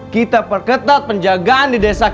kita perketat penjagaan di desa